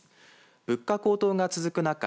物価高騰が続くなか